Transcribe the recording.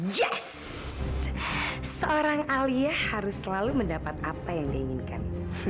yes seorang alia harus selalu mendapat apa yang dia inginkan